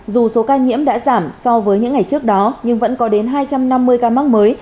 dù số ca nhiễm đã giảm so với những ngày trước đó nhưng vẫn có đến hai trăm năm mươi ca mắc mới